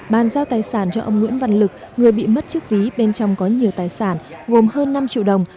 bàn giao tài sản cho ông nguyễn văn lực người bị mất chiếc ví bên trong có nhiều tài sản gồm hơn năm triệu đồng